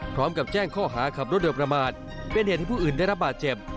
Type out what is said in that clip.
พร้อมกับแจ้งข้อหาขับรถโดยประมาทเป็นเหตุให้ผู้อื่นได้รับบาดเจ็บ